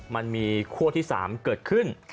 มันมีคั่วที่๓เกิดขึ้น